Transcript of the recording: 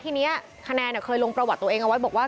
ทีนี้คะแนนเคยลงประวัติตัวเองเอาไว้บอกว่า